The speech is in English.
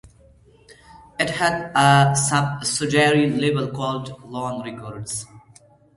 It had a subsidiary label called Lawn Records.